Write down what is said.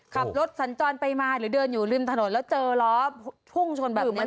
ขับรถสัญจรไปมาหรือเดินอยู่ริมถนนแล้วเจอล้อพุ่งชนแบบนี้